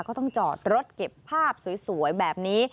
ก็ต้องจอดรถเก็บภาพสวยแบบนี้